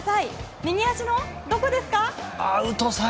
右足のどこですか？